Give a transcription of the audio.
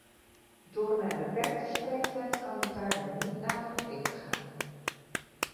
Door mijn beperkte spreektijd kan ik daar nu niet nader op ingaan.